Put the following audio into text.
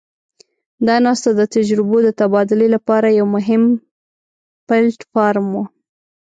دا ناسته د تجربو د تبادلې لپاره یو مهم پلټ فارم وو.